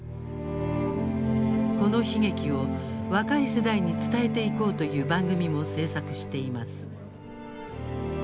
この悲劇を若い世代に伝えていこうという番組も制作しています。